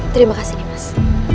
terima kasih ndang lies